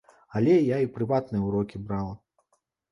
Але я і прыватныя ўрокі брала.